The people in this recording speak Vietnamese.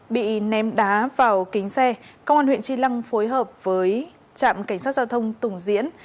bị ném đá vào kính xe công an huyện tri lăng phối hợp với trạm cảnh sát giao thông tùng diễn